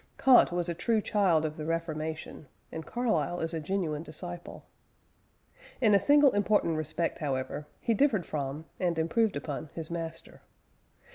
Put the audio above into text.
Kant was a true child of the Reformation, and Carlyle is a genuine disciple. In a single important respect, however, he differed from (and improved upon) his master.